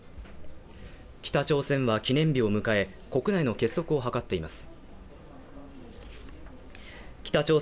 北朝鮮は記念日を迎え、国内の結束を図っています。